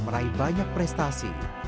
meraih banyak prestasi